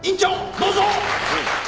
どうぞ。